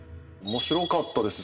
面白かったです